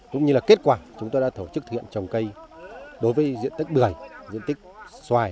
cũng như là kết quả chúng tôi đã thổ chức thực hiện trồng cây đối với diện tích bưởi diện tích xoài